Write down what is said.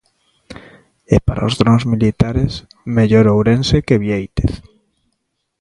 E para os drons militares, mellor Ourense que Biéitez.